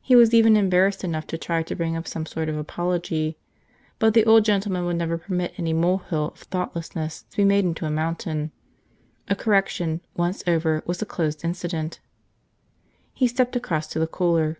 He was even embarrassed enough to try to bring up some sort of apology. But the old gentleman would never permit any molehill of thoughtlessness to be made into a mountain. A correction, once over, was a closed incident. He stepped across to the cooler.